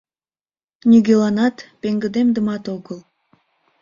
Нигӧланат пеҥгыдемдымат огыл.